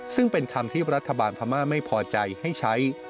ซึ่งเป็นคำที่รัฐบาลพม่าไม่พอใจให้ใช้